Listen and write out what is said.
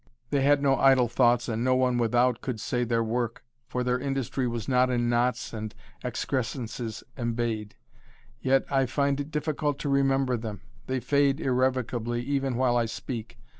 They had no idle thoughts and no one without could say their work, for their industry was not in knots and excrescences embayed. Yet I find it difficult to remember them. They fade irrevocably even while I speak.